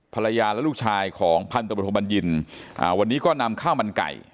ภรรยาและลูกชายของพันธบทบัญญินวันนี้ก็นำข้าวมันไก่